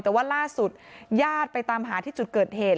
แต่ว่าล่าสุดญาติไปตามหาที่จุดเกิดเหตุ